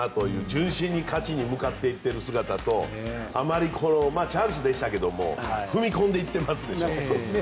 純真に勝ちに向かっていっている姿とあまりチャンスでしたけど踏み込んでいってますでしょ。